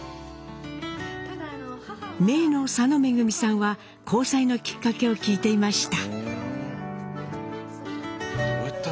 めいの佐野恵さんは交際のきっかけを聞いていました。